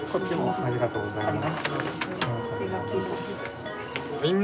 ありがとうございます。